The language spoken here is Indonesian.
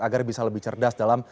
agar bisa lebih cerdas dalam